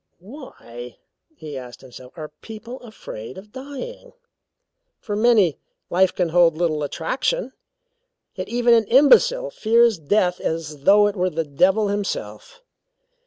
"Why," he asked himself, "are people afraid of dying? For many, life can hold little attraction, yet even an imbecile fears death as though it were the devil himself.